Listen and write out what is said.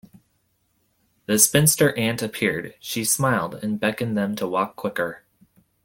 The spinster aunt appeared; she smiled, and beckoned them to walk quicker.